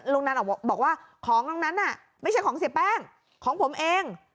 นันออกบอกว่าของตรงนั้นน่ะไม่ใช่ของเสียแป้งของผมเอง